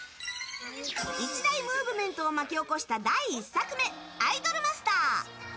一大ムーブメントを巻き起こした第１作目「アイドルマスター」。